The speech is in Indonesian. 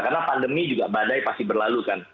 karena pandemi juga badai pasti berlalu kan